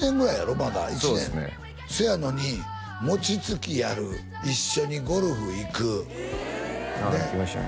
まだそうですねせやのに餅つきやる一緒にゴルフ行くああ行きましたね